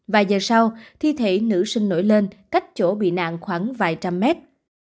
vài giờ sau thi thể nữ sinh nổi lên cách chỗ bị nạn khoảng vài trăm mét